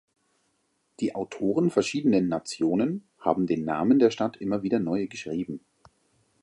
Die Autoren verschiedenen Nationen haben den Namen der Stadt immer wieder neu geschrieben.